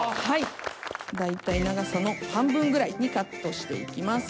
大体長さの半分ぐらいにカットして行きます。